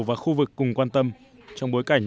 và khu vực cùng quan tâm trong bối cảnh